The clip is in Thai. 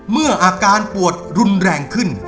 เมื่ออาการปวดรุนแรงขึ้น